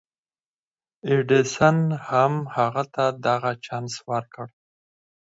ايډېسن هم هغه ته دغه چانس ورکړ.